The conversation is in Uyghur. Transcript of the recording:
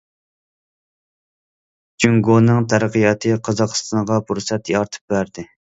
جۇڭگونىڭ تەرەققىياتى قازاقىستانغا پۇرسەت يارىتىپ بەردى.